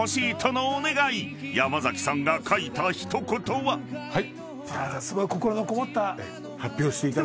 はい！